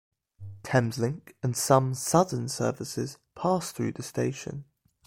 Thameslink and some Southern services pass through the station.